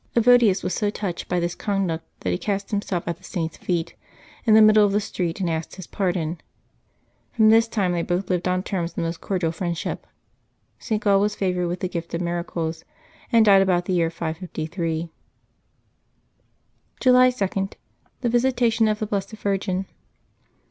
Evodius was so touched by this conduct that he cast himself at the Saint's feet, in the middle of the street, and asked his pardon. From this time they both lived on terms of the most cordiaJ friendship. St. Gal was favored with the gift of miracles, and died about the year 553. July 2.— THE VISITATION OF THE BLESSED VIRGIN.